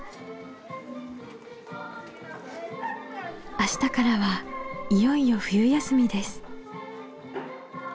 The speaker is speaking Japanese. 明日からはいよいよ冬休みです。